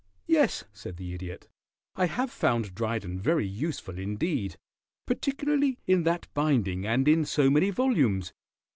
"Yes," said the Idiot. "I have found Dryden very useful indeed. Particularly in that binding and in so many volumes.